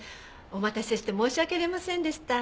お待たせして申し訳ありませんでした。